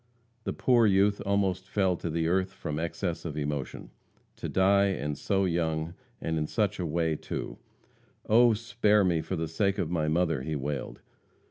The poor youth almost fell to the earth from excess of emotion. To die, and so young, and in such a way, too! "Oh, spare me for the sake of my mother!" he wailed.